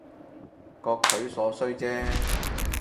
各取所需姐